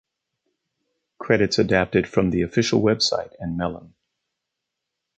Credits adapted from the official website and Melon.